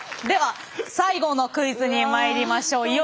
では最後のクイズにまいりましょう。